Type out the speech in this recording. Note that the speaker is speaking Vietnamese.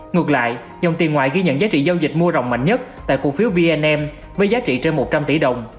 ngược lại dòng tiền ngoại ghi nhận giá trị giao dịch mua rộng mạnh nhất tại cổ phiếu vnm với giá trị trên một trăm linh tỷ đồng